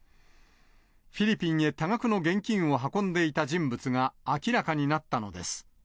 フィリピンへ多額の現金を運んでいた人物が明らかになったのです。